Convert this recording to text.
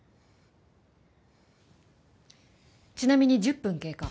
ちなみに１０分経過。